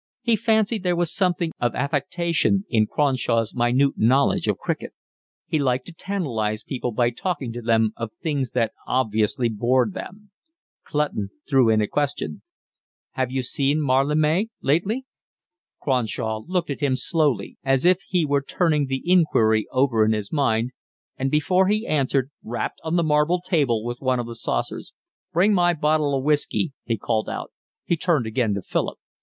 He fancied there was something of affectation in Cronshaw's minute knowledge of cricket; he liked to tantalise people by talking to them of things that obviously bored them; Clutton threw in a question. "Have you seen Mallarme lately?" Cronshaw looked at him slowly, as if he were turning the inquiry over in his mind, and before he answered rapped on the marble table with one of the saucers. "Bring my bottle of whiskey," he called out. He turned again to Philip.